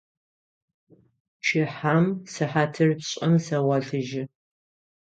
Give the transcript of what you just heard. Пчыхьэм сыхьатыр пшӀым сэгъолъыжьы.